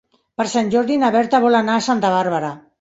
Per Sant Jordi na Berta vol anar a Santa Bàrbara.